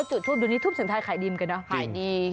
ดูดิทูปเสียงทายขายดีมกันเนาะ